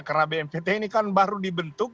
karena bnpt ini kan baru dibentuk